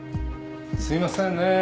すいませんね。